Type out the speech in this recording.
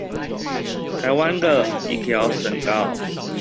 臺灣的一條省道